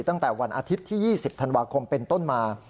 ตั้งแต่วันอาทิตย์ที่๒๐ธันวาคมเป็นต้นมา